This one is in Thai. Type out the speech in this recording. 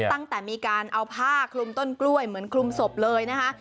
ตั้งแต่มีการเอาผ้าคลุมต้นกล้วยเหมือนคลุมศพเลยนะคะ